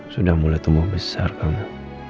sudah mulai tumbuh besar karena